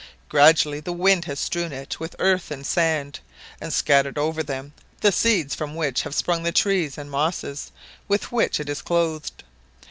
Gradually the wind has strewn it with earth and sand, and scattered over them the seeds from which have sprung the trees and mosses with which it is clothed.